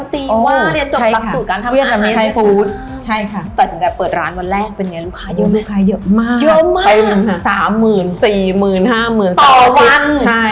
ต่อวัน